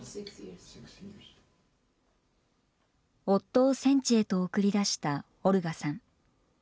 夫を戦地へと送り出したオルガさん。